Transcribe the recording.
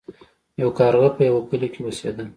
یو کارغه په یوه کلي کې اوسیده.